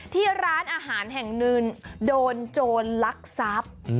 ที่ร้านอาหารแห่งหนึ่งโดนโจรลักทรัพย์